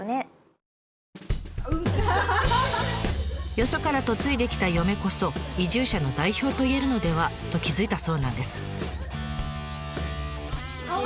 よそから嫁いできた嫁こそ移住者の代表といえるのでは？と気付いたそうなんです。